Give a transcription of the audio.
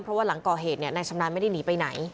เพราะว่าหลังก่อเหตุนายชำนาญไม่ได้หนีไปไหน